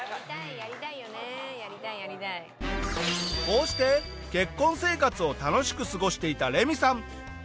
こうして結婚生活を楽しく過ごしていたレミさん。